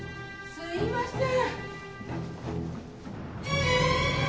すいません。